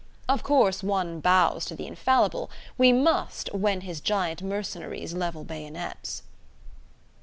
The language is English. Of course, one bows to the Infallible; we must, when his giant mercenaries level bayonets."